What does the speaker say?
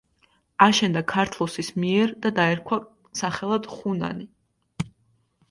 აშენდა ქართლოსის მიერ და დაერქვა სახელად ხუნანი.